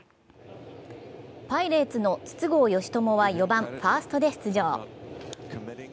パイレーツの筒香嘉智は４番・ファーストで出場。